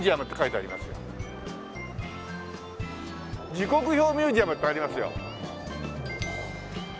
「時刻表ミュージアム」ってありますよ。